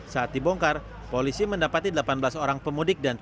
saat dibongkar polisi mendapati delapan belas orang pemudik